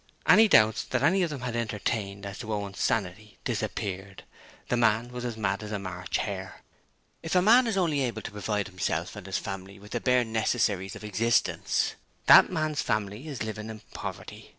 Any doubts that any of them had entertained as to Owen's sanity disappeared. The man was as mad as a March hare. 'If a man is only able to provide himself and his family with the bare necessaries of existence, that man's family is living in poverty.